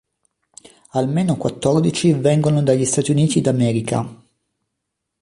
Almeno quattordici vengono dagli Stati Uniti d'America.